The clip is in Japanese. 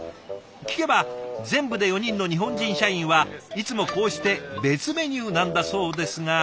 聞けば全部で４人の日本人社員はいつもこうして別メニューなんだそうですが。